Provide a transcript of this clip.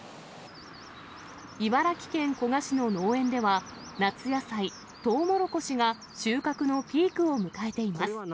茨城県古河市の農園では、夏野菜、とうもろこしが収穫のピークを迎えています。